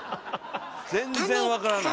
全然分からない。